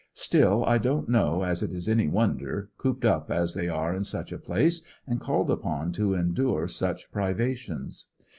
Still I don't know as it is any wonder, cooped up as they are in such a place, and called upon to endure such privations.